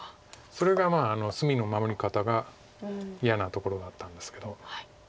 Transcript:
それが隅の守り方が嫌なところがあったんですけど。